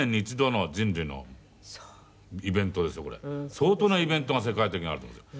相当なイベントが世界的にあるんですよ。